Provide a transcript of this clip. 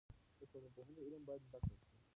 د ټولنپوهنې علم باید زده کړل سي.